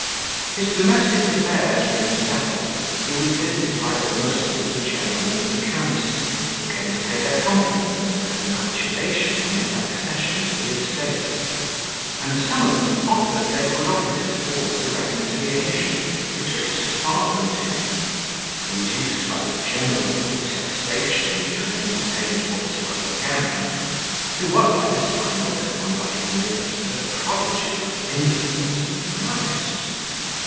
His domestic affairs being settled, he was visited by almost all the gentlemen of the county, who came to pay their compliments of congratulation on his accession to the estate; and some of them offered their good offices towards a reconciliation betwixt his father and him, induced by the general detestation which was entertained for his brother Gam, who was by this time looked upon by his neighbours as a prodigy of insolence and malice.